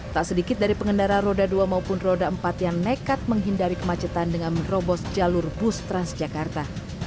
tak sedikit dari pengendara roda dua maupun roda empat yang nekat menghindari kemacetan dengan menerobos jalur bus transjakarta